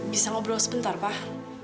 bisa ngobrol sebentar pak